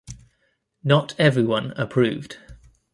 Not everyone approved.